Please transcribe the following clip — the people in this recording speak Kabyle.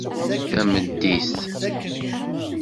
Tameddit